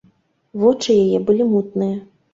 Вочы яе былі мутныя.